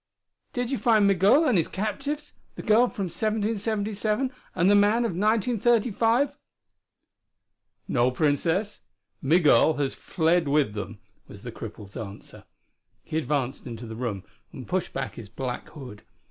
"Did you find Migul and his captives the girl from 1777 and the man of 1935?" "No, Princess, Migul has fled with them," was the cripple's answer. He advanced into the room and pushed back his black hood.